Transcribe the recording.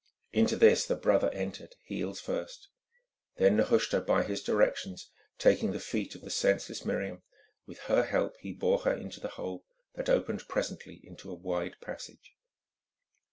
Into this the brother entered, heels first. Then Nehushta, by his directions, taking the feet of the senseless Miriam, with her help he bore her into the hole, that opened presently into a wide passage.